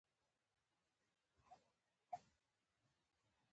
رښتیا ویل انسان له بېلا بېلو گناهونو او بدیو څخه ژغوري.